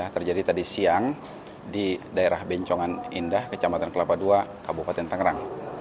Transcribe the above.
terjadi tadi siang di daerah bencongan indah kecamatan kelapa ii kabupaten tangerang